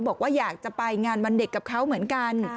บอกว่าอยากจะไปงานวันเด็กกับเขาเหมือนกัน